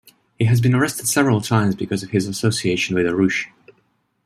He has been arrested several times because of his association with Arouch.